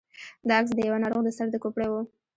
دا عکس د يوه ناروغ د سر د کوپړۍ و.